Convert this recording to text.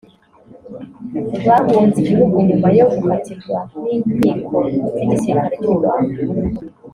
bahunze igihugu nyuma yo gukatirwa n’inkiko z’igisirikare cy’u Rwanda